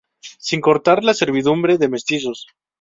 Sin contar la servidumbre de mestizos.